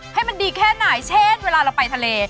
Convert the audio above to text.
ให้มันดีแค่ไหนเช่นเวลาเราไปทะเล